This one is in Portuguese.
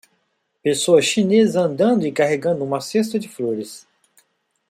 Pessoa chinesa andando e carregando uma cesta de flores.